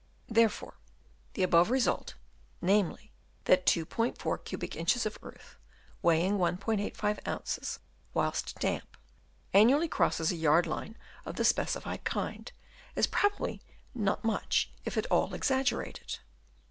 There fore the above result, namely, that 2*4 cubic inches of earth (weighing 1*85 oz. whilst damp) annually crosses a yard line of the specified kind, is probably not much if at all exaggerated.